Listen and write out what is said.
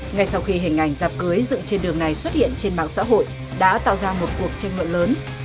ngay sau khi hình ảnh dạp cưới dựng trên đường này xuất hiện trên mạng xã hội đã tạo ra một cuộc tranh luận lớn